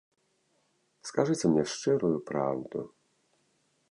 Скажыце мне шчырую праўду.